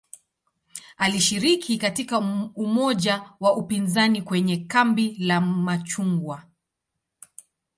Alishiriki katika umoja wa upinzani kwenye "kambi la machungwa".